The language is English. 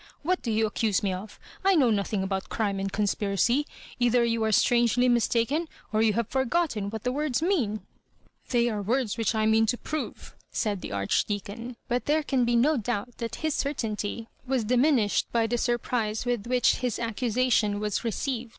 " What do you accuse me oft Digitized by VjOOQIC mSS KARJOBIBANKa 115 t kijow nothmg about crime and conspiracy. Either you are strangely mistaken, or you have forgotten what the words mean." ''They are words which I mean to prove,'* said the Archdeacon ; but there can be no doubt that his certainty was diminished by the sur^ prise with which his accusation was received.